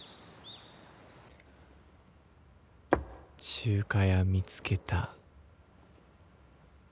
中華屋見つけた。